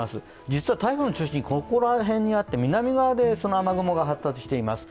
実は台風の中心、ここら辺にあって南側でその雨雲が発達しています。